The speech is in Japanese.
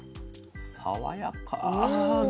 爽やか。